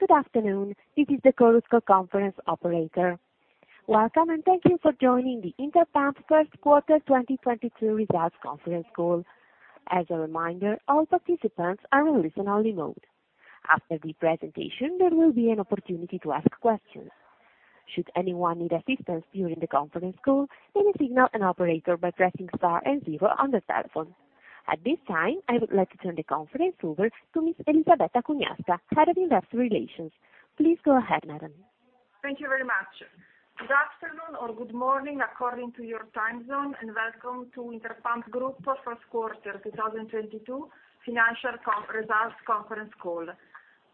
Good afternoon. This is the Chorus Call conference operator. Welcome, and thank you for joining the Interpump first quarter 2022 results conference call. As a reminder, all participants are in listen only mode. After the presentation, there will be an opportunity to ask questions. Should anyone need assistance during the conference call, please signal an operator by pressing star and zero on the telephone. At this time, I would like to turn the conference over to Ms. Elisabetta Cugnasca, Head of Investor Relations. Please go ahead, madam. Thank you very much. Good afternoon or good morning according to your time zone, and welcome to Interpump Group first quarter 2022 financial results conference call.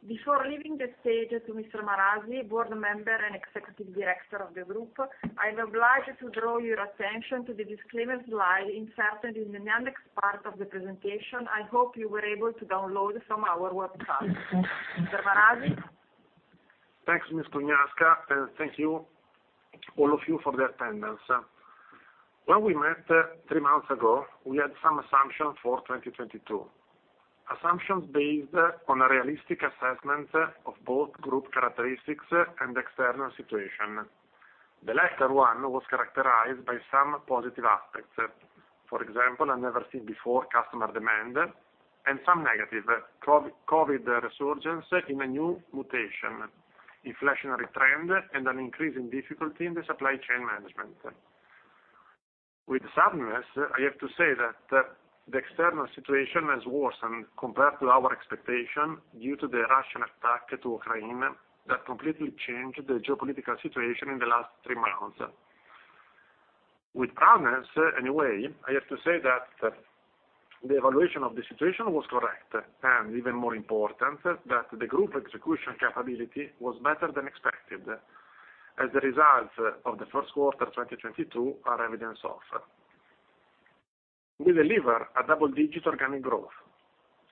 Before leaving the stage to Mr. Marasi, board member and executive director of the group, I am obliged to draw your attention to the disclaimer slide inserted in the annex part of the presentation, I hope you were able to download from our website. Mr. Marasi. Thanks, Ms. Cugnasca, and thank you, all of you, for the attendance. When we met three months ago, we had some assumptions for 2022, assumptions based on a realistic assessment of both group characteristics and external situation. The latter one was characterized by some positive aspects. For example, a never-seen-before customer demand and some negative, COVID resurgence in a new mutation, inflationary trend, and an increase in difficulty in the supply chain management. With sadness, I have to say that the external situation has worsened compared to our expectation due to the Russian attack on Ukraine that completely changed the geopolitical situation in the last three months. With this premise, anyway, I have to say that the evaluation of the situation was correct, and even more important, that the group execution capability was better than expected, as the results of the first quarter 2022 are evidence of. We deliver a double-digit organic growth.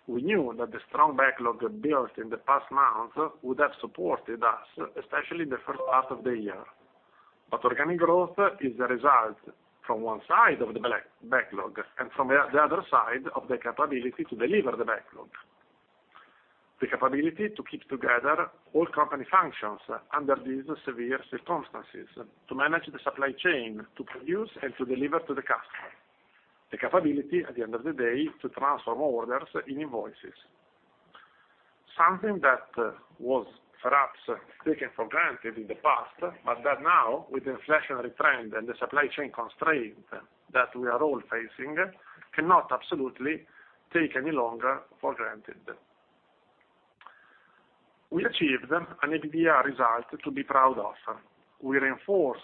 We knew that the strong backlog built in the past month would have supported us, especially in the first half of the year. Organic growth is a result from one side of the backlog and from the other side of the capability to deliver the backlog. The capability to keep together all company functions under these severe circumstances, to manage the supply chain, to produce and to deliver to the customer, the capability, at the end of the day, to transform orders into invoices. Something that was perhaps taken for granted in the past, but that now, with inflationary trend and the supply chain constraint that we are all facing, cannot absolutely take any longer for granted. We achieved an EBITDA result to be proud of. We reinforce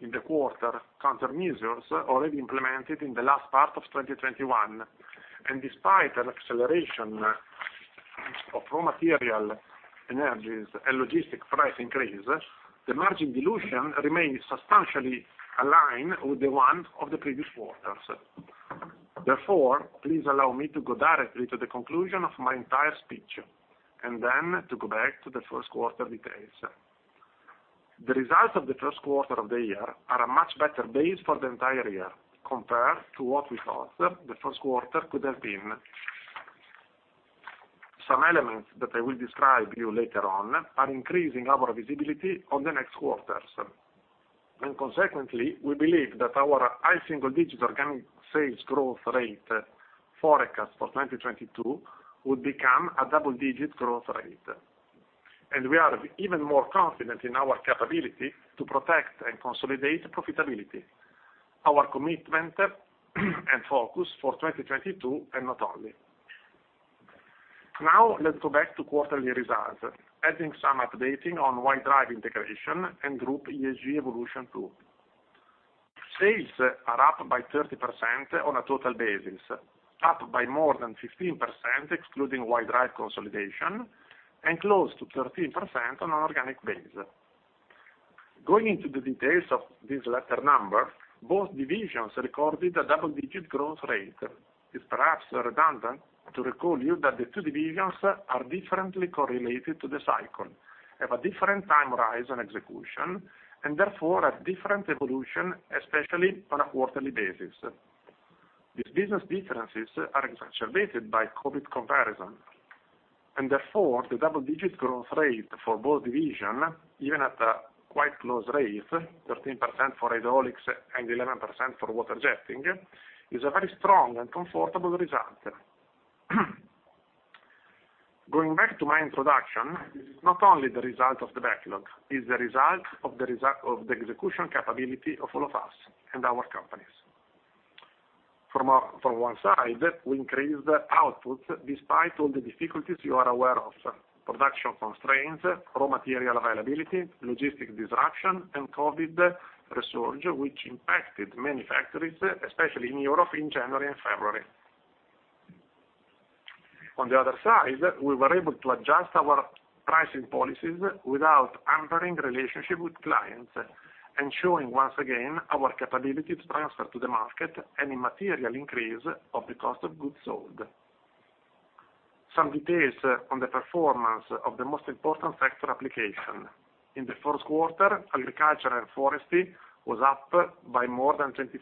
in the quarter countermeasures already implemented in the last part of 2021. Despite an acceleration of raw material, energy, and logistics price increase, the margin dilution remains substantially aligned with the one of the previous quarters. Therefore, please allow me to go directly to the conclusion of my entire speech, and then to go back to the first quarter details. The results of the first quarter of the year are a much better base for the entire year compared to what we thought the first quarter could have been. Some elements that I will describe to you later on are increasing our visibility on the next quarters. Consequently, we believe that our high single digit organic sales growth rate forecast for 2022 will become a double digit growth rate. We are even more confident in our capability to protect and consolidate profitability, our commitment and focus for 2022 and not only. Now let's go back to quarterly results, adding some update on White Drive integration and group ESG evolution too. Sales are up by 30% on a total basis, up by more than 15%, excluding White Drive consolidation, and close to 13% on an organic basis. Going into the details of this latter number, both divisions recorded a double-digit growth rate. It's perhaps redundant to remind you that the two divisions are differently correlated to the cycle, have a different time horizon execution, and therefore have different evolution, especially on a quarterly basis. These business differences are exacerbated by COVID comparison. Therefore, the double digit growth rate for both division, even at a quite close rate, 13% for Hydraulics and 11% for Water Jetting, is a very strong and comfortable result. Going back to my introduction, this is not only the result of the backlog, it's the result of the execution capability of all of us and our companies. From one side, we increased output despite all the difficulties you are aware of, production constraints, raw material availability, logistic disruption, and COVID resurge, which impacted many factories, especially in Europe in January and February. On the other side, we were able to adjust our pricing policies without hampering relationship with clients and showing, once again, our capability to transfer to the market any material increase of the cost of goods sold. Some details on the performance of the most important sector application. In the first quarter, agriculture and forestry was up by more than 25%.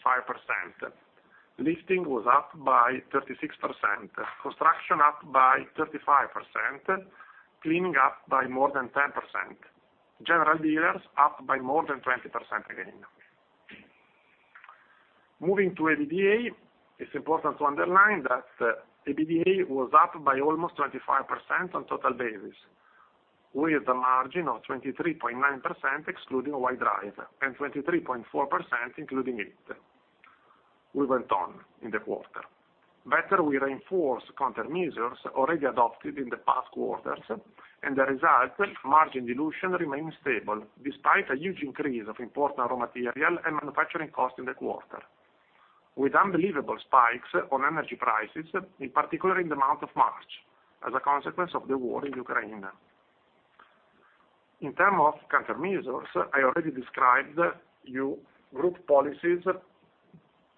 Lifting was up by 36%. Construction up by 35%. Cleaning up by more than 10%. General dealers up by more than 20% again. Moving to EBITDA, it's important to underline that EBITDA was up by almost 25% on total basis, with a margin of 23.9% excluding White Drive, and 23.4% including it. We went on in the quarter. Better we reinforce countermeasures already adopted in the past quarters, and the result, margin dilution remains stable despite a huge increase of important raw material and manufacturing cost in the quarter, with unbelievable spikes on energy prices, in particular in the month of March, as a consequence of the war in Ukraine. In terms of countermeasures, I already described to you group policies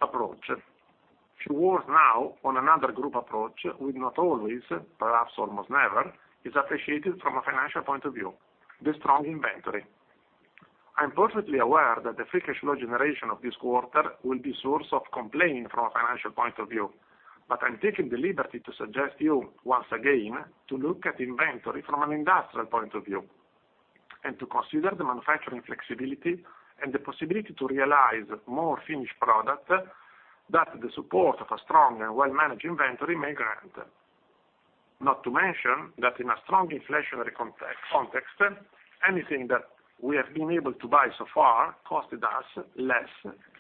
approach. few words now on another group approach, which not always, perhaps almost never, is appreciated from a financial point of view, the strong inventory. I am perfectly aware that the free cash flow generation of this quarter will be source of complaining from a financial point of view. I'm taking the liberty to suggest you, once again, to look at inventory from an industrial point of view, and to consider the manufacturing flexibility and the possibility to realize more finished product, that the support of a strong and well-managed inventory may grant. Not to mention that in a strong inflationary context, anything that we have been able to buy so far costed us less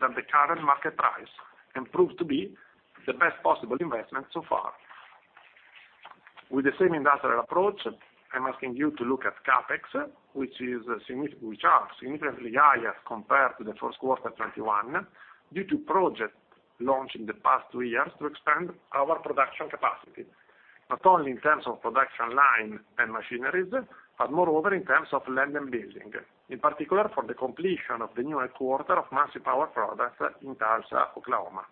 than the current market price, and proved to be the best possible investment so far. With the same industrial approach, I'm asking you to look at CapEx, which are significantly higher compared to the first quarter 2021, due to project launch in the past three years to expand our production capacity, not only in terms of production line and machineries, but moreover in terms of land and building, in particular for the completion of the new headquarters of Muncie Power Products in Tulsa, Oklahoma.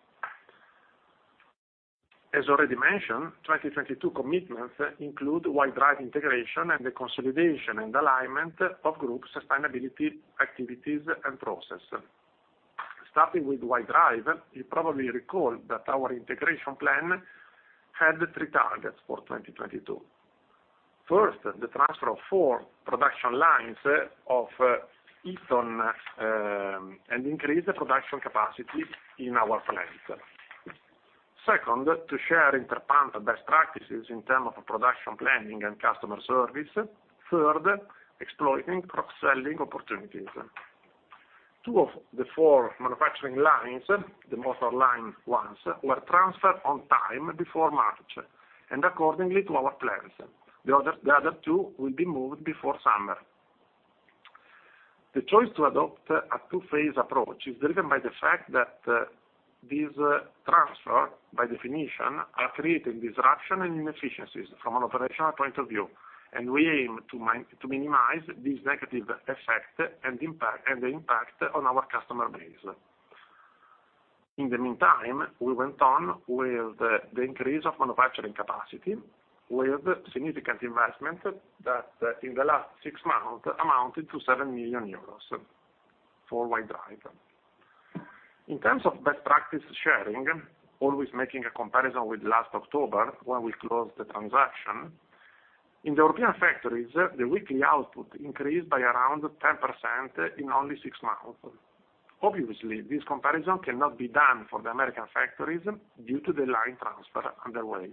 As already mentioned, 2022 commitments include White Drive integration and the consolidation and alignment of group sustainability activities and process. Starting with White Drive, you probably recall that our integration plan had three targets for 2022. First, the transfer of four production lines of Eaton and increase the production capacity in our plant. Second, to share interplant best practices in terms of production planning and customer service. Third, exploiting cross-selling opportunities. Two of the four manufacturing lines, the motor line ones, were transferred on time before March, and according to our plans. The other two will be moved before summer. The choice to adopt a two-phase approach is driven by the fact that these transfers, by definition, are creating disruption and inefficiencies from an operational point of view, and we aim to minimize this negative effect and impact, and the impact on our customer base. In the meantime, we went on with the increase of manufacturing capacity, with significant investment that in the last six months amounted to 7 million euros for White Drive. In terms of best practice sharing, always making a comparison with last October, when we closed the transaction, in the European factories, the weekly output increased by around 10% in only six months. Obviously, this comparison cannot be done for the American factories due to the line transfer underway.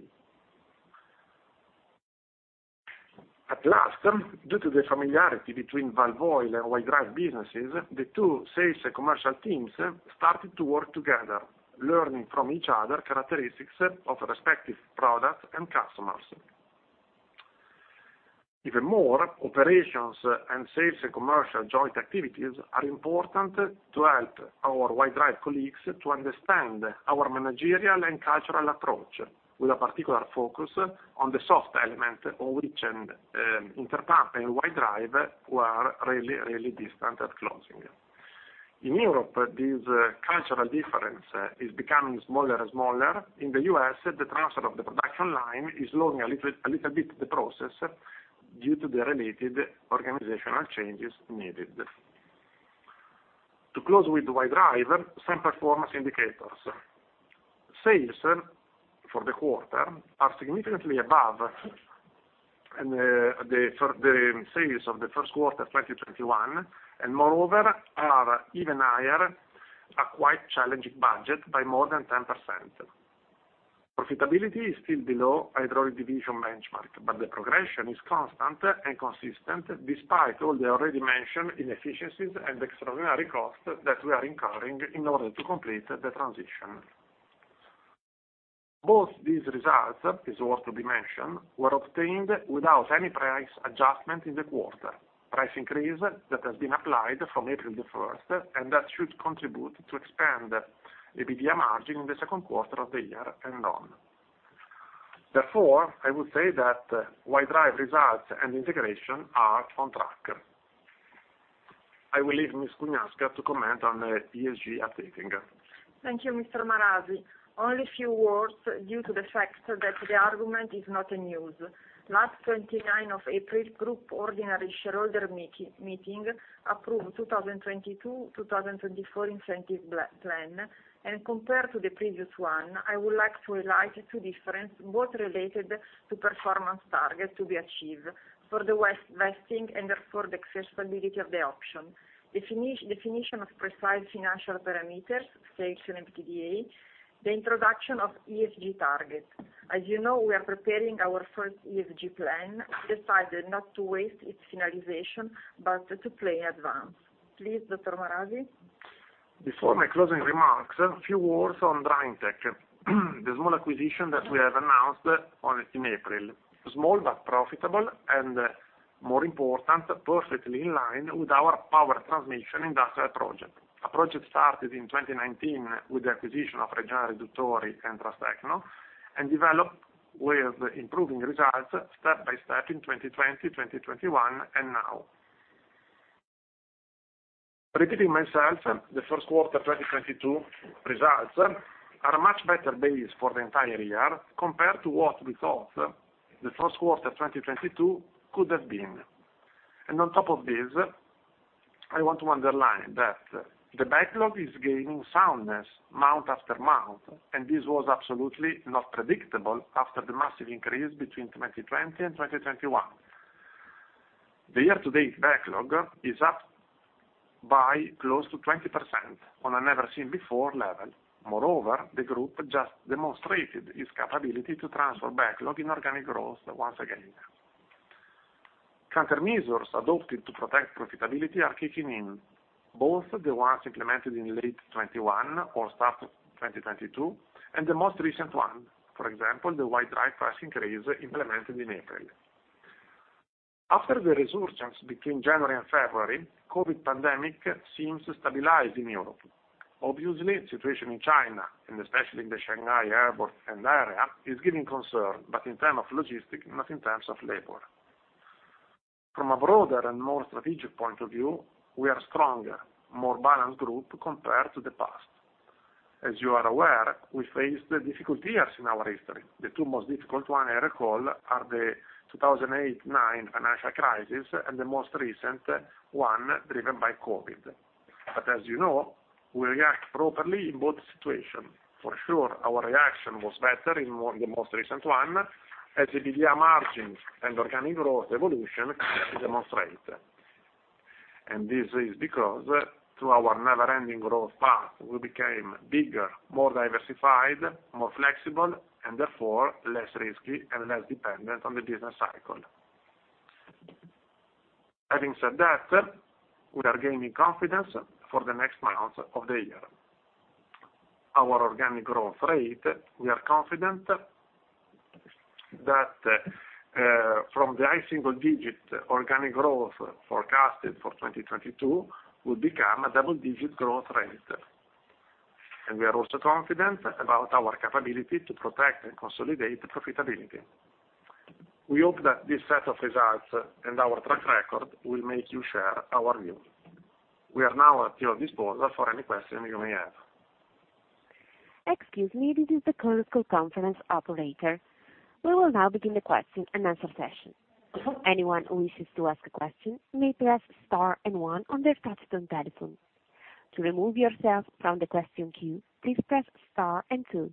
At least, due to the familiarity between Walvoil and White Drive businesses, the two sales and commercial teams started to work together, learning from each other characteristics of respective products and customers. Even more, operations and sales and commercial joint activities are important to help our White Drive colleagues to understand our managerial and cultural approach, with a particular focus on the soft element on which Interpump and White Drive were really distant at closing. In Europe, this cultural difference is becoming smaller and smaller. In the US, the transfer of the production line is slowing a little bit the process due to the related organizational changes needed. To close with White Drive, some performance indicators. Sales for the quarter are significantly above the sales of the first quarter 2021, and moreover, are even higher than a quite challenging budget by more than 10%. Profitability is still below Hydraulics division benchmark, but the progression is constant and consistent despite all the already mentioned inefficiencies and extraordinary costs that we are incurring in order to complete the transition. Both these results, it is worth to be mentioned, were obtained without any price adjustment in the quarter. Price increase that has been applied from April 1, and that should contribute to expand EBITDA margin in the second quarter of the year and on. Therefore, I would say that White Drive results and integration are on track. I will leave Ms. Cugnasca to comment on the ESG updating. Thank you, Mr. Marasi. Only a few words due to the fact that the argument is not news. Last 29 of April, Group ordinary shareholder meeting approved 2022-2024 incentive plan. Compared to the previous one, I would like to highlight two difference, both related to performance target to be achieved for the vesting and therefore the accessibility of the option. Definition of precise financial parameters, sales and EBITDA, the introduction of ESG targets. As you know, we are preparing our first ESG plan, decided not to wait for its finalization, but to play in advance. Please, Dr. Marasi. Before my closing remarks, a few words on Draintech, the small acquisition that we have announced in April. Small but profitable, and more important, perfectly in line with our power transmission industrial project, a project started in 2019 with the acquisition of Reggiana Riduttori and Transtecno, and developed with improving results step by step in 2020, 2021, and now. Repeating myself, the first quarter 2022 results are a much better base for the entire year compared to what we thought the first quarter 2022 could have been. On top of this, I want to underline that the backlog is gaining soundness month after month, and this was absolutely not predictable after the massive increase between 2020 and 2021. The year-to-date backlog is up by close to 20% on a never seen before level. Moreover, the group just demonstrated its capability to transfer backlog in organic growth once again. Countermeasures adopted to protect profitability are kicking in, both the ones implemented in late 2021 or start 2022, and the most recent one, for example, the wide price increase implemented in April. After the resurgence between January and February, COVID pandemic seems stabilized in Europe. Obviously, situation in China, and especially in the Shanghai airport and area, is giving concern, but in terms of logistics, not in terms of labor. From a broader and more strategic point of view, we are stronger, more balanced group compared to the past. As you are aware, we faced the difficult years in our history. The two most difficult one I recall are the 2008-2009 financial crisis and the most recent one driven by COVID. As you know, we react properly in both situation. For sure our reaction was better in more, the most recent one as EBITDA margins and organic growth evolution can demonstrate. This is because through our never-ending growth path, we became bigger, more diversified, more flexible, and therefore less risky and less dependent on the business cycle. Having said that, we are gaining confidence for the next months of the year. Our organic growth rate, we are confident that, from the high single-digit organic growth forecasted for 2022 will become a double-digit growth rate. We are also confident about our capability to protect and consolidate profitability. We hope that this set of results and our track record will make you share our view. We are now at your disposal for any question you may have. Excuse me. This is the conference call operator. We will now begin the question and answer session. Anyone who wishes to ask a question may press star and one on their touch tone telephone. To remove yourself from the question queue, please press star and two.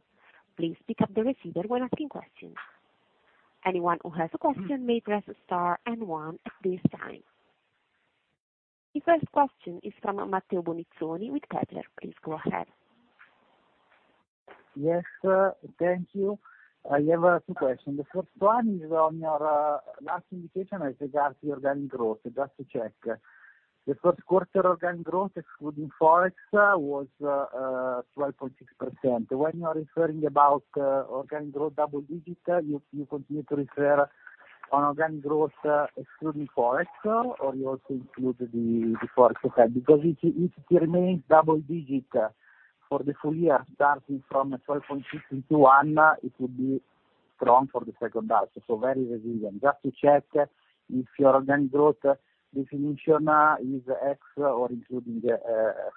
Please pick up the receiver when asking questions. Anyone who has a question may press star and one at this time. The first question is from Matteo Bonizzoni with Kepler. Please go ahead. Yes, thank you. I have two questions. The first one is on your last indication with regards to the organic growth, just to check. The first quarter organic growth excluding Forex was 12.6%. When you are referring about organic growth double digit, you continue to refer on organic growth excluding Forex, or you also include the Forex effect? Because if it remains double digit for the full year, starting from 12.6% in Q1, it would be strong for the second half, so very resilient. Just to check if your organic growth definition is ex or including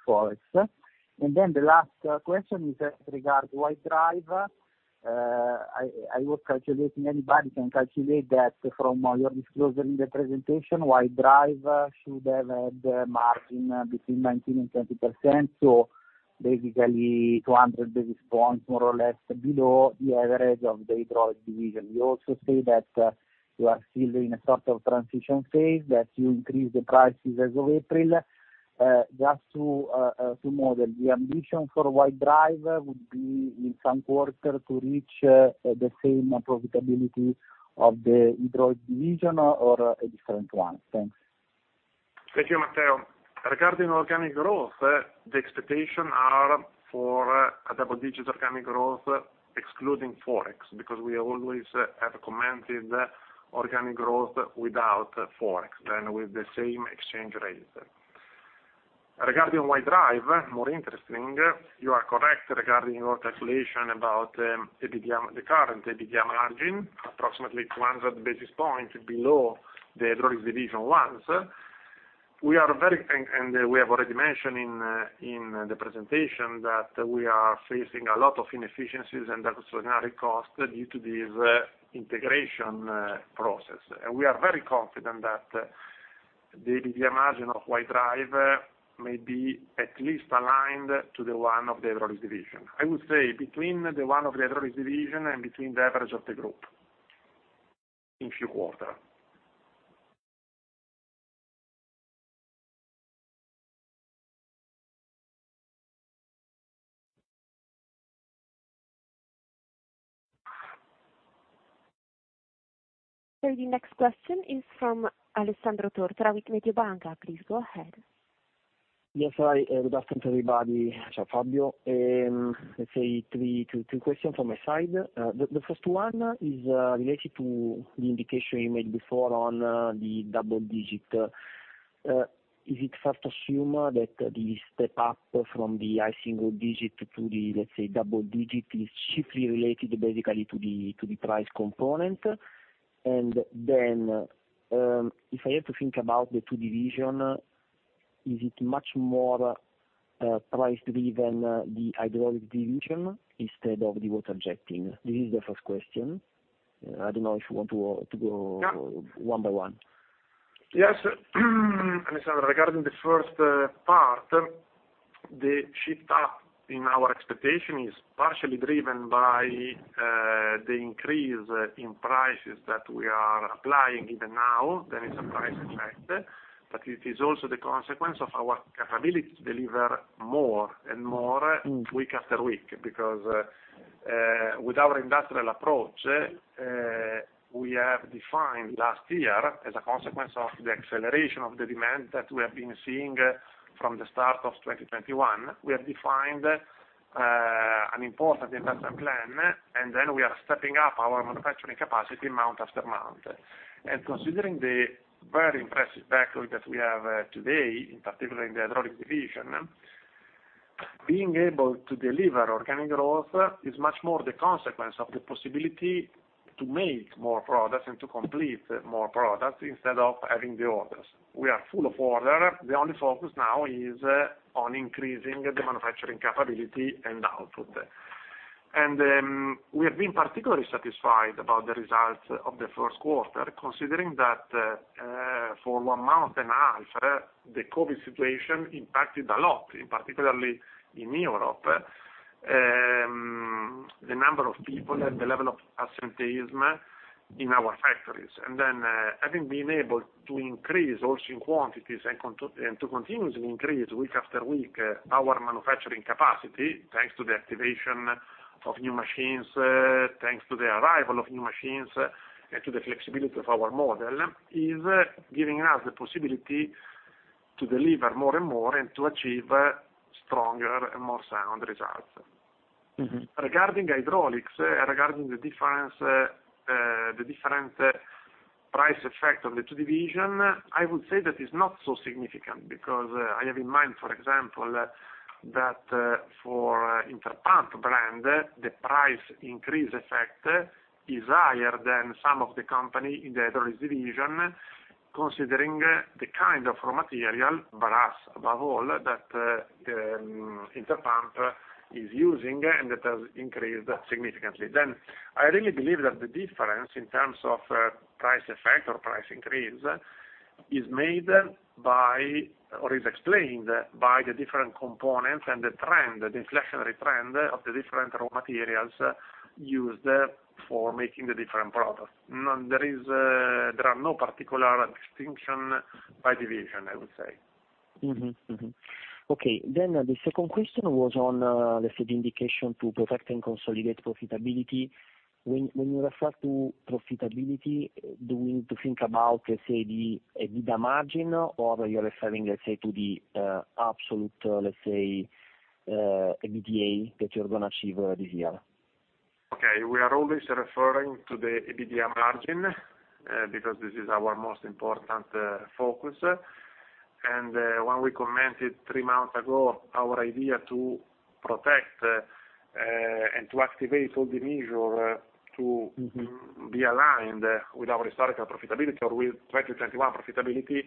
Forex. The last question is with regard to White Drive. I was calculating, anybody can calculate that from your disclosure in the presentation, White Drive should have had a margin between 19%-20%, so basically 200 basis points, more or less below the average of the Hydraulics division. You also say that you are still in a sort of transition phase, that you increase the prices as of April. Just to model, the ambition for White Drive would be in some quarter to reach the same profitability of the Hydraulics division or a different one? Thanks. Thank you, Matteo. Regarding organic growth, the expectations are for double-digit organic growth excluding Forex, because we always have commented organic growth without Forex than with the same exchange rate. Regarding White Drive, more interesting, you are correct regarding your calculation about EBITDA, the current EBITDA margin, approximately 200 basis points below the Hydraulics division ones. We have already mentioned in the presentation that we are facing a lot of inefficiencies and extraordinary costs due to this integration process. We are very confident that the margin of White Drive may be at least aligned to the one of the Hydraulics division. I would say between the one of the Hydraulics division and between the average of the group in Q4. The next question is from Alessandro Tortora with Mediobanca. Please go ahead. Yes. Hi, good afternoon, everybody. Ciao, Fabio. Let's say three questions from my side. The first one is related to the indication you made before on the double digit. Is it fair to assume that the step up from the high single digit to the, let's say, double digit is chiefly related basically to the price component? And then, if I have to think about the two divisions, is it much more price driven, the Hydraulics division instead of the Water Jetting? This is the first question. I don't know if you want to go one by one. Yes. Regarding the first part, the shift up in our expectation is partially driven by the increase in prices that we are applying even now. There is a price effect, but it is also the consequence of our capability to deliver more and more week after week. Because with our industrial approach, we have defined last year, as a consequence of the acceleration of the demand that we have been seeing from the start of 2021, an important investment plan, and then we are stepping up our manufacturing capacity month after month. Considering the very impressive backlog that we have today, in particular in the Hydraulics division, being able to deliver organic growth is much more the consequence of the possibility to make more products and to complete more products instead of having the orders. We are full of order. The only focus now is on increasing the manufacturing capability and output. We have been particularly satisfied about the results of the first quarter, considering that for one month and half, the COVID situation impacted a lot, particularly in Europe, the number of people and the level of absenteeism in our factories. Having been able to increase also in quantities and to continuously increase week after week our manufacturing capacity, thanks to the activation of new machines, thanks to the arrival of new machines, and to the flexibility of our model, is giving us the possibility to deliver more and more and to achieve stronger and more sound results. Regarding Hydraulics, the different price effect of the two divisions, I would say that is not so significant because I have in mind, for example, that for Interpump brand, the price increase effect is higher than some of the companies in the Hydraulics division, considering the kind of raw material, brass above all, that Interpump is using, and that has increased significantly. I really believe that the difference in terms of price effect or price increase is made by, or is explained by the different components and the trend, the inflationary trend of the different raw materials used for making the different products. There are no particular distinctions by division, I would say. Okay, the second question was on, let's say, the indication to protect and consolidate profitability. When you refer to profitability, do we need to think about, let's say, the EBITDA margin or you're referring, let's say, to the absolute, let's say, EBITDA that you're gonna achieve this year? Okay, we are always referring to the EBITDA margin, because this is our most important focus. When we commented three months ago our idea to protect, and to activate all the measure to be aligned with our historical profitability or with 2021 profitability,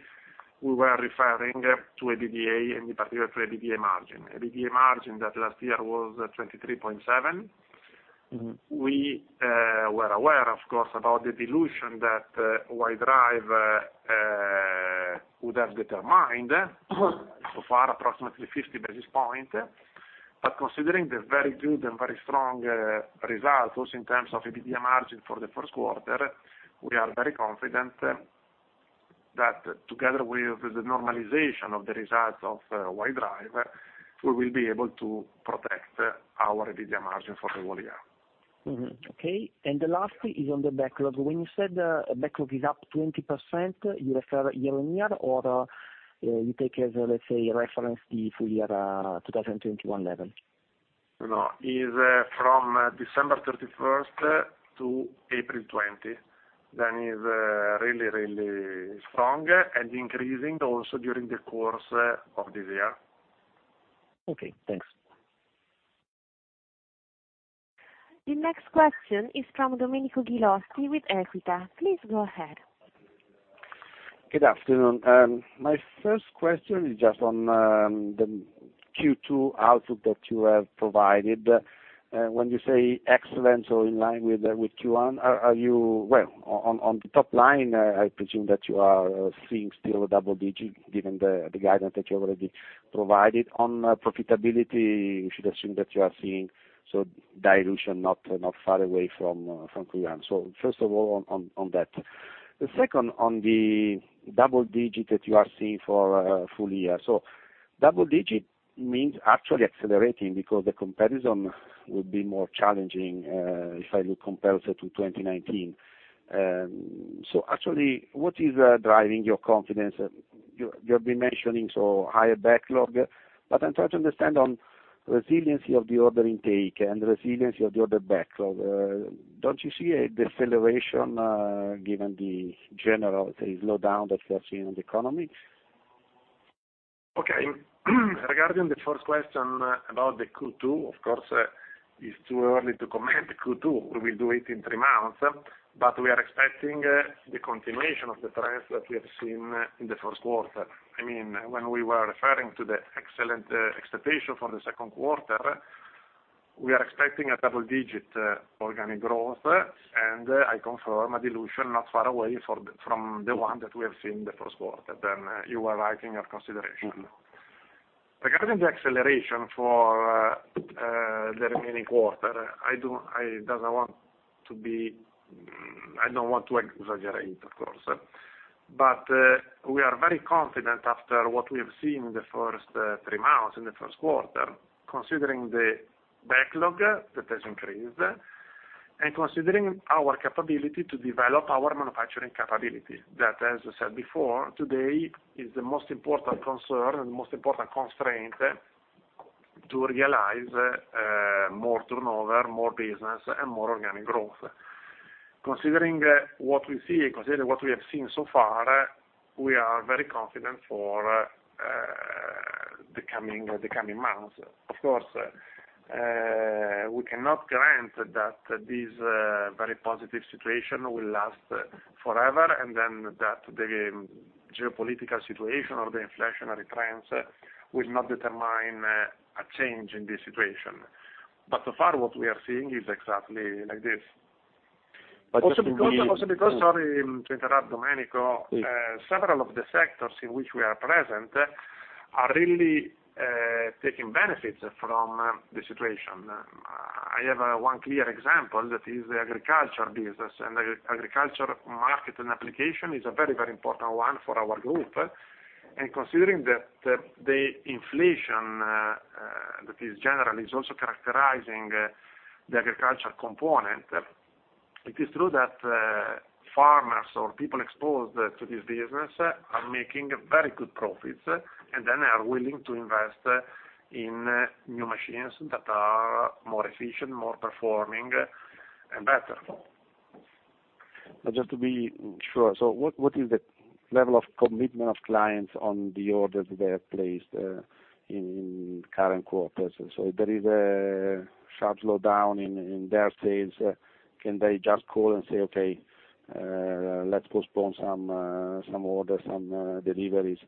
we were referring to EBITDA, in particular to EBITDA margin. EBITDA margin that last year was 23.7%. We were aware, of course, about the dilution that White Drive would have determined, so far approximately 50 basis points. Considering the very good and very strong results also in terms of EBITDA margin for the first quarter, we are very confident that together with the normalization of the results of White Drive, we will be able to protect our EBITDA margin for the whole year. Okay. The last is on the backlog. When you said backlog is up 20%, you refer year-on-year or you take as, let's say, reference the full year 2021 level? You know, from December 31st to April 20, then is really, really strong and increasing also during the course of this year. Okay, thanks. The next question is from Domenico Ghilotti with Equita. Please go ahead. Good afternoon. My first question is just on the Q2 outlook that you have provided. When you say excellent or in line with Q1, are you? Well, on the top line, I presume that you are seeing still double digit, given the guidance that you already provided. On profitability, we should assume that you are seeing, so dilution not far away from Q1. First of all, on that. The second, on the double digit that you are seeing for full year. Double digit means actually accelerating because the comparison would be more challenging if I look compared to 2019. Actually, what is driving your confidence? You've been mentioning a higher backlog, but I'm trying to understand the resiliency of the order intake and the resiliency of the order backlog. Don't you see a deceleration, given the general, say, slowdown that we are seeing in the economy? Okay. Regarding the first question about the Q2, of course, it's too early to comment Q2. We will do it in three months, but we are expecting the continuation of the trends that we have seen in the first quarter. I mean, when we were referring to the excellent expectation for the second quarter, we are expecting a double-digit organic growth. I confirm a dilution not far away from the one that we have seen in the first quarter, then you are right in your consideration. Regarding the acceleration for the remaining quarter, I don't want to exaggerate, of course. We are very confident after what we have seen in the first three months, in the first quarter, considering the backlog that has increased, and considering our capability to develop our manufacturing capability, that as I said before, today is the most important concern and most important constraint to realize more turnover, more business and more organic growth. Considering what we see, considering what we have seen so far, we are very confident for the coming months. Of course, we cannot grant that this very positive situation will last forever and then that the geopolitical situation or the inflationary trends will not determine a change in this situation. So far what we are seeing is exactly like this. Also because, sorry to interrupt, Domenico. Please. Several of the sectors in which we are present are really taking benefits from the situation. I have one clear example that is the agriculture business, and the agriculture market and application is a very, very important one for our group. Considering that the inflation that is general is also characterizing the agriculture component, it is true that farmers or people exposed to this business are making very good profits, and then are willing to invest in new machines that are more efficient, more performing and better. Just to be sure. What is the level of commitment of clients on the orders they have placed, in current quarters? If there is a sharp slowdown in their sales, can they just call and say, "Okay, let's postpone some orders, some deliveries?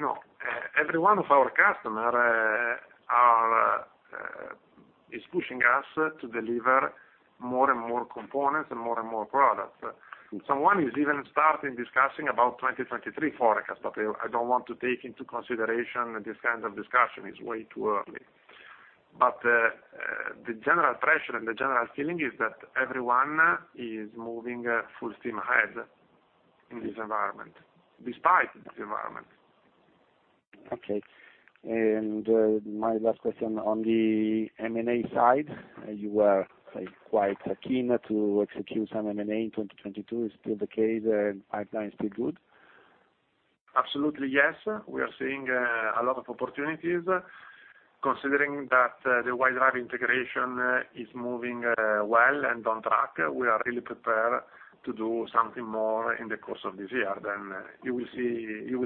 No, every one of our customer is pushing us to deliver more and more components and more and more products. Someone is even starting discussing about 2023 forecast, but I don't want to take into consideration this kind of discussion. It's way too early. The general pressure and the general feeling is that everyone is moving full steam ahead in this environment, despite this environment. Okay. My last question on the M&A side, you were, say, quite keen to execute some M&A in 2022. Is still the case? Pipeline still good? Absolutely, yes. We are seeing a lot of opportunities. Considering that, the White Drive integration is moving well and on track, we are really prepared to do something more in the course of this year. You will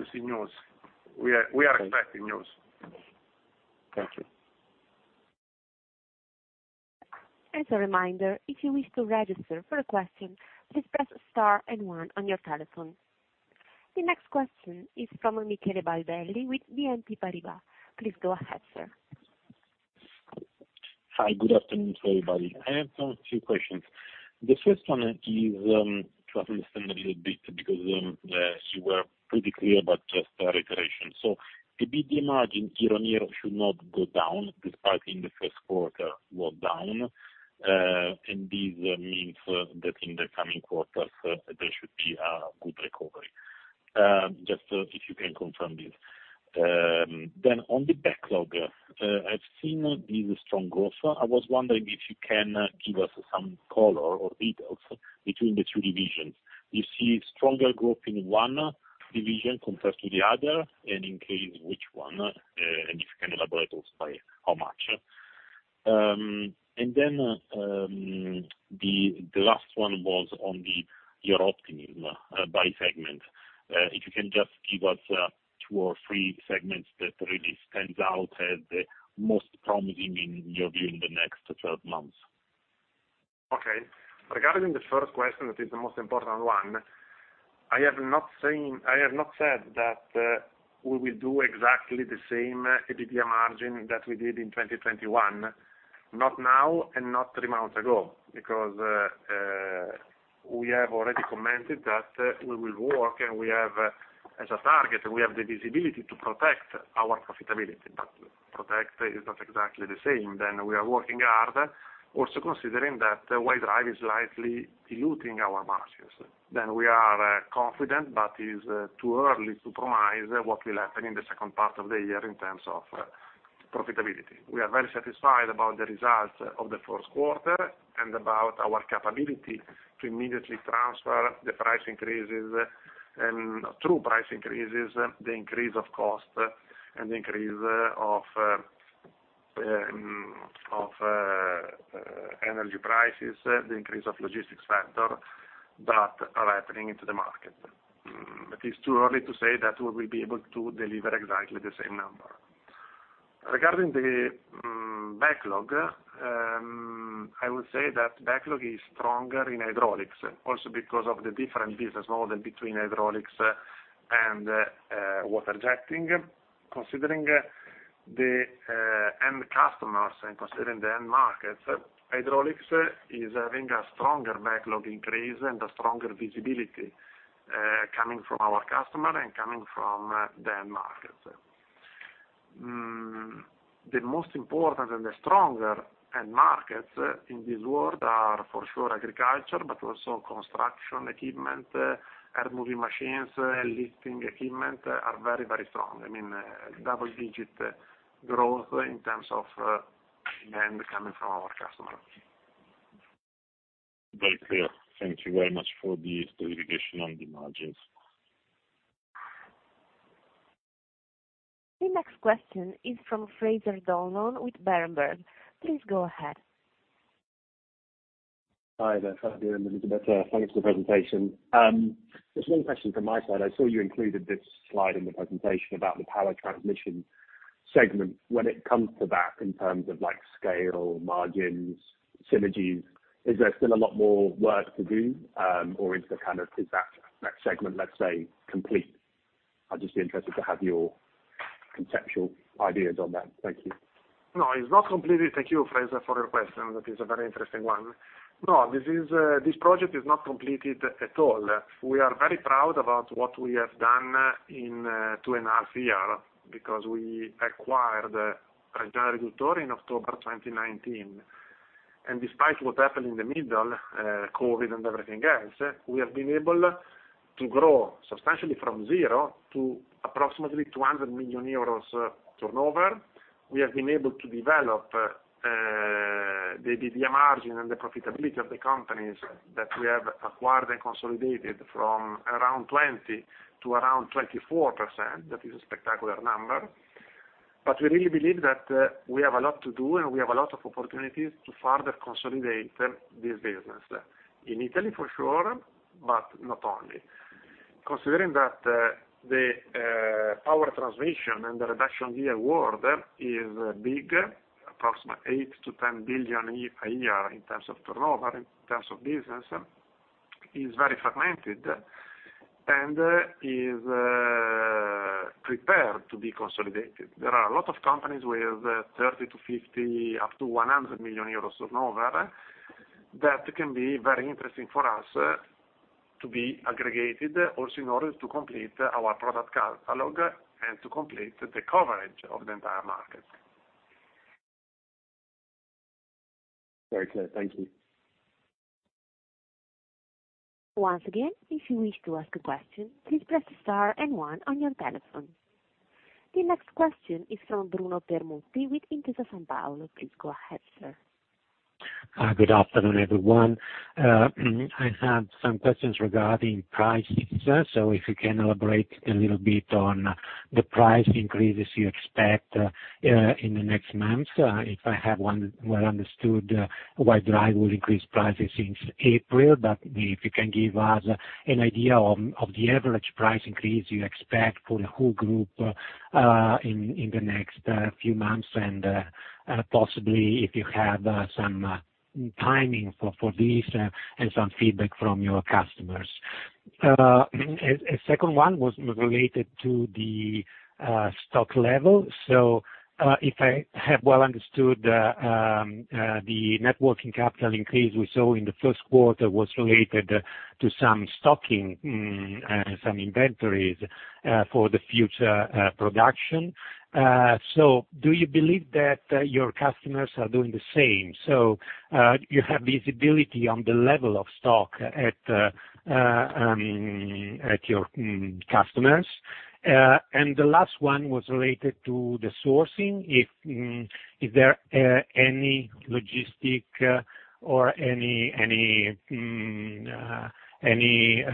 see news. We are expecting news. Thank you. As a reminder, if you wish to register for a question, please press star and one on your telephone. The next question is from Michele Baldelli with BNP Paribas. Please go ahead, sir. Hi. Good afternoon to everybody. I have some few questions. The first one is to understand a little bit, because you were pretty clear, but just a reiteration. EBITDA margin year-on-year should not go down, despite in the first quarter was down. This means that in the coming quarters there should be a good recovery. Just if you can confirm this. On the backlog, I've seen this strong growth. I was wondering if you can give us some color or details between the two divisions. Do you see stronger growth in one division compared to the other, and in case, which one? If you can elaborate also by how much. The last one was on your optimism by segment. If you can just give us two or three segments that really stands out as the most promising in your view in the next 12 months. Okay. Regarding the first question, that is the most important one. I have not said that we will do exactly the same EBITDA margin that we did in 2021. Not now and not three months ago, because we have already commented that we will work, and we have, as a target, we have the visibility to protect our profitability. Protect is not exactly the same. We are working hard, also considering that the White Drive is slightly diluting our margins. We are confident, but it is too early to promise what will happen in the second part of the year in terms of profitability. We are very satisfied about the results of the first quarter and about our capability to immediately transfer the price increases and through price increases, the increase of cost and the increase of energy prices, the increase of logistics factor that are happening into the market. It is too early to say that we will be able to deliver exactly the same number. Regarding the backlog, I would say that backlog is stronger in Hydraulics also because of the different business model between Hydraulics and Water Jetting. Considering the end customers and considering the end markets, Hydraulics is having a stronger backlog increase and a stronger visibility coming from our customer and coming from the end markets. The most important and the stronger end markets in this world are for sure agriculture, but also construction equipment, earthmoving machines, lifting equipment are very, very strong. I mean, double-digit growth in terms of, demand coming from our customers. Very clear. Thank you very much for the clarification on the margins. The next question is from Fraser Donlon with Berenberg. Please go ahead. Hi there, Fabio and Elisabetta. Thanks for the presentation. Just one question from my side. I saw you included this slide in the presentation about the power transmission segment. When it comes to that in terms of like scale, margins, synergies, is there still a lot more work to do, or is that segment, let's say, complete? I'd just be interested to have your conceptual ideas on that. Thank you. No, it's not completed. Thank you, Fraser, for your question. That is a very interesting one. No, this is, this project is not completed at all. We are very proud about what we have done in two and a half year because we acquired Reggiana Riduttori in October 2019. Despite what happened in the middle, COVID and everything else, we have been able to grow substantially from zero to approximately 200 million euros turnover. We have been able to develop, the EBITDA margin and the profitability of the companies that we have acquired and consolidated from around 20% to around 24%. That is a spectacular number. We really believe that, we have a lot to do, and we have a lot of opportunities to further consolidate this business. In Italy, for sure, but not only. Considering that, the power transmission and the reduction gear world is big, approximately 8 billion-10 billion a year in terms of turnover, in terms of business, is very fragmented and is prepared to be consolidated. There are a lot of companies with 30-50, up to 100 million euros turnover that can be very interesting for us to be aggregated also in order to complete our product catalog and to complete the coverage of the entire market. Very clear. Thank you. Once again, if you wish to ask a question, please press star and one on your telephone. The next question is from Bruno Permutti with Intesa Sanpaolo. Please go ahead, sir. Hi, good afternoon, everyone. I have some questions regarding pricing, so if you can elaborate a little bit on the price increases you expect in the next months. If I have well understood, White Drive will increase prices since April, but if you can give us an idea of the average price increase you expect for the whole group in the next few months and possibly if you have some timing for this and some feedback from your customers. A second one was related to the stock level. If I have well understood, the net working capital increase we saw in the first quarter was related to some stocking some inventories for the future production. Do you believe that your customers are doing the same? You have visibility on the level of stock at your customers. The last one was related to the sourcing. If there any logistics or any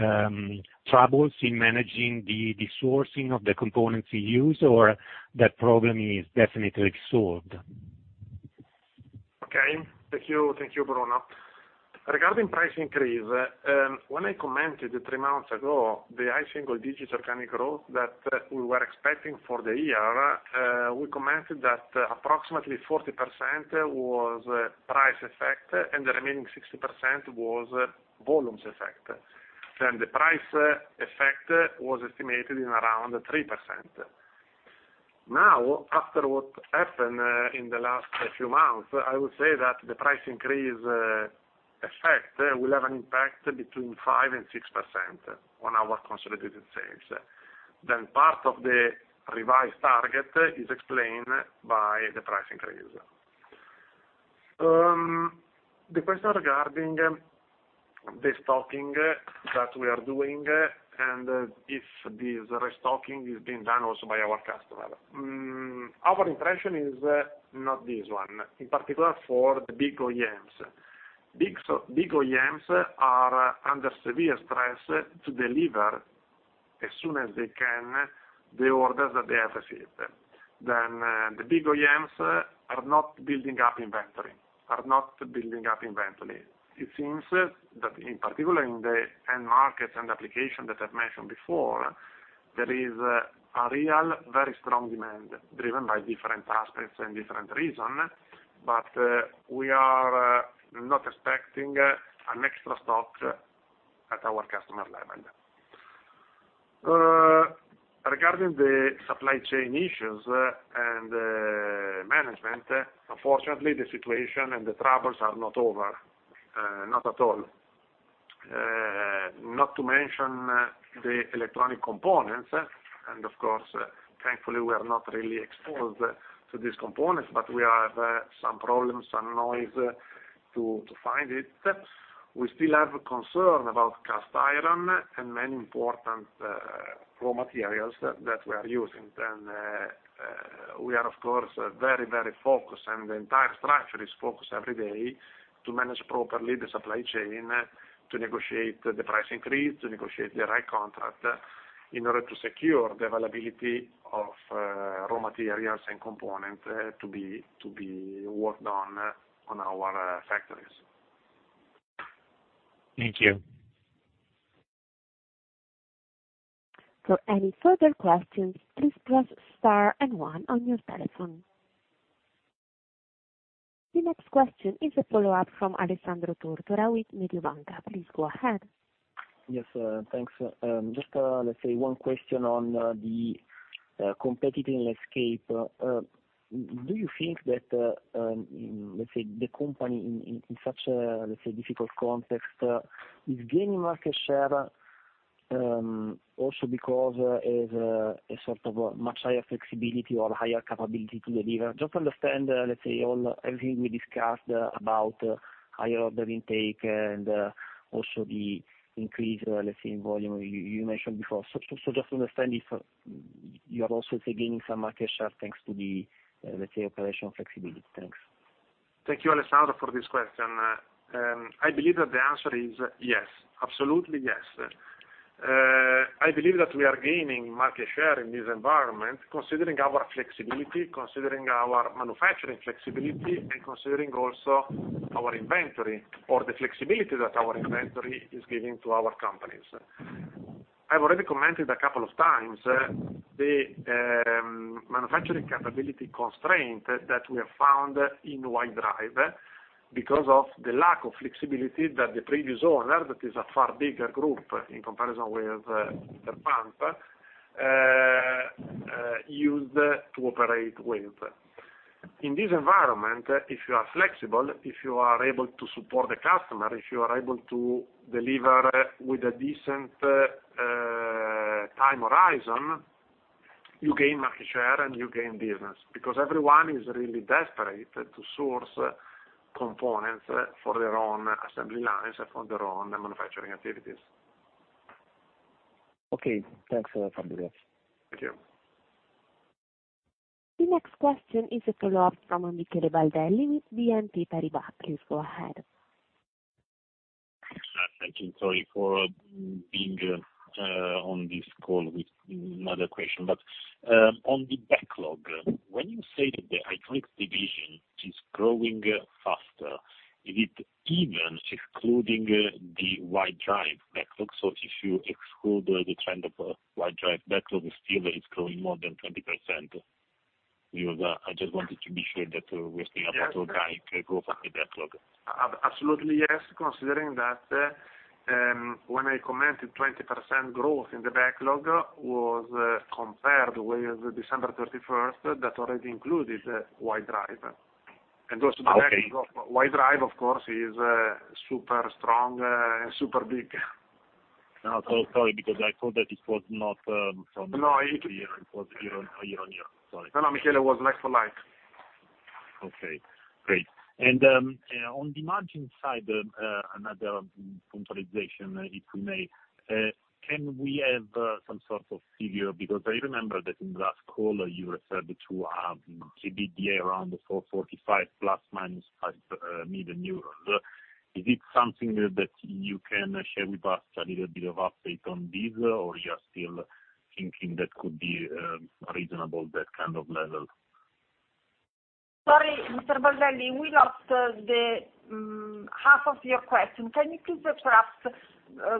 troubles in managing the sourcing of the components you use, or that problem is definitely solved. Okay. Thank you. Thank you, Bruno. Regarding price increase, when I commented three months ago, the high single-digit organic growth that we were expecting for the year, we commented that approximately 40% was price effect and the remaining 60% was volumes effect. The price effect was estimated in around 3%. Now, after what happened in the last few months, I would say that the price increase effect will have an impact between 5%-6% on our consolidated sales. Part of the revised target is explained by the price increase. The question regarding the stocking that we are doing, and if this restocking is being done also by our customer. Our impression is not this one, in particular for the big OEMs. Big OEMs are under severe stress to deliver as soon as they can the orders that they have received. The big OEMs are not building up inventory. It seems that in particular in the end markets and application that I've mentioned before, there is a real, very strong demand driven by different aspects and different reason, but we are not expecting an extra stock at our customer level. Regarding the supply chain issues and management, unfortunately, the situation and the troubles are not over, not at all. Not to mention the electronic components, and of course, thankfully, we are not really exposed to these components, but we have some problems, some noise to find it. We still have a concern about cast iron and many important raw materials that we are using. We are of course very focused, and the entire structure is focused every day to manage properly the supply chain, to negotiate the price increase, to negotiate the right contract in order to secure the availability of raw materials and components to be worked on in our factories. Thank you. For any further questions, please press star and one on your telephone. The next question is a follow-up from Alessandro Tortora with Mediobanca. Please go ahead. Yes, thanks. Just, let's say one question on the competitive landscape. Do you think that, let's say the company in such a, let's say, difficult context, is gaining market share, also because it has a sort of much higher flexibility or higher capability to deliver? Just to understand, let's say all, everything we discussed about higher order intake and also the increase, let's say, in volume you mentioned before. Just to understand if you are also gaining some market share thanks to the, let's say, operational flexibility. Thanks. Thank you, Alessandro, for this question. I believe that the answer is yes. Absolutely, yes. I believe that we are gaining market share in this environment, considering our flexibility, considering our manufacturing flexibility, and considering also our inventory or the flexibility that our inventory is giving to our companies. I've already commented a couple of times, manufacturing capability constraint that we have found in White Drive because of the lack of flexibility that the previous owner, that is a far bigger group in comparison with, Interpump, used to operate with. In this environment, if you are flexible, if you are able to support the customer, if you are able to deliver with a decent time horizon, you gain market share and you gain business. Because everyone is really desperate to source components for their own assembly lines, for their own manufacturing activities. Okay. Thanks a lot, Fabio. Thank you. The next question is a follow-up from Michele Baldelli with BNP Paribas. Please go ahead. Thank you. Sorry for being on this call with another question. On the backlog, when you say that the hydraulics division is growing faster, is it even excluding the White Drive backlog? If you exclude the White Drive backlog, still it's growing more than 20%. Because I just wanted to be sure that we're still about organic growth on the backlog. Absolutely, yes. Considering that, when I commented 20% growth in the backlog was compared with December thirty-first, that already included White Drive. Also the backlog of White Drive, of course, is super strong and super big. No, sorry, because I thought that it was not. No. It was year-over-year. Sorry. No, no, Michele, it was like for like. Okay, great. On the margin side, another point of clarification, if we may, can we have some sort of figure? Because I remember that in last call you referred to EBITDA around 445 ±5 million. Is it something that you can share with us a little bit of update on this, or you're still thinking that could be reasonable that kind of level? Sorry, Mr. Baldelli, we lost the half of your question. Can you please perhaps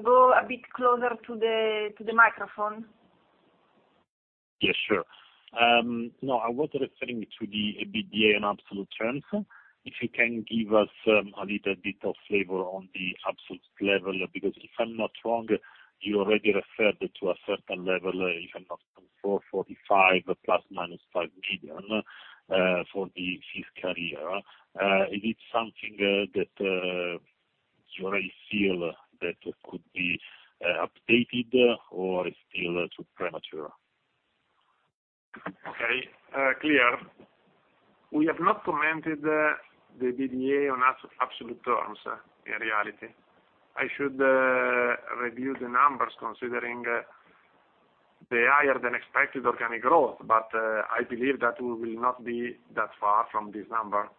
go a bit closer to the microphone? Yes, sure. No, I was referring to the EBITDA in absolute terms. If you can give us a little bit of flavor on the absolute level, because if I'm not wrong, you already referred to a certain level, 445 ±5 million for the fifth quarter. Is it something that you already feel that could be updated or is still too premature? Okay, clear. We have not commented on the EBITDA in absolute terms in reality. I should review the numbers considering the higher than expected organic growth, but I believe that we will not be that far from this number.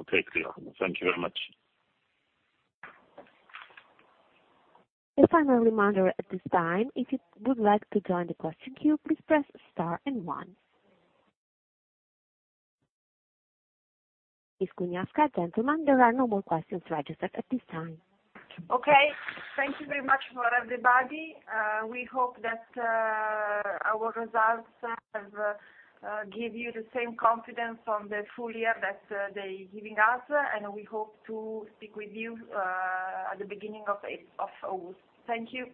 Okay, clear. Thank you very much. A final reminder at this time, if you would like to join the question queue, please press star and one. Ms. Cugnasca, gentlemen, there are no more questions registered at this time. Okay. Thank you very much for everybody. We hope that our results have give you the same confidence on the full year that they're giving us, and we hope to speak with you at the beginning of August. Thank you.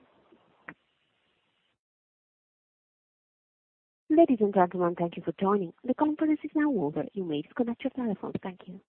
Ladies and gentlemen, thank you for joining. The conference is now over. You may disconnect your telephones. Thank you.